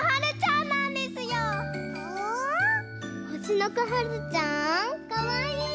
ほしのこはるちゃんかわいい！